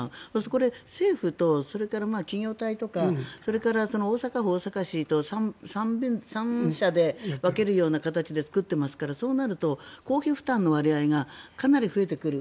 これ、政府とそれから企業体とかそれから大阪府、大阪市と３者で分けるような形で作ってますからそうなると公費負担の割合がかなり増えてくる。